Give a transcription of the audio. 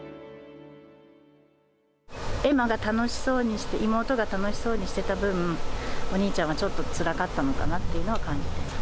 えまが楽しそうにして、妹が楽しそうにしていた分、お兄ちゃんはちょっとつらかったのかなっていうのは感じています。